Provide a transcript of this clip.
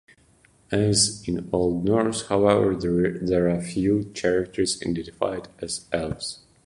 As in Old Norse, however, there are few characters identified as elves.